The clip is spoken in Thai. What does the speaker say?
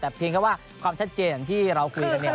แต่เพียงแค่ว่าความชัดเจนที่เราคือวันไม่ได้